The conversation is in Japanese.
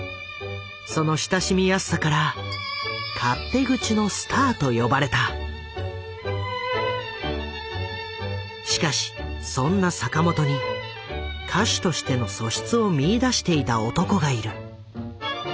その親しみやすさからしかしそんな坂本に歌手としての素質を見いだしていた男がいる。